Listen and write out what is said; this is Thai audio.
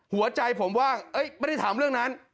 หัวใจผมว่าไม่ได้ถามเรื่องนั้น